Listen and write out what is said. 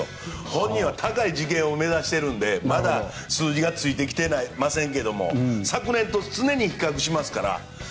本人は高い次元を目指しているのでまだ数字がついてきてませんけども昨年と常に比較しますから。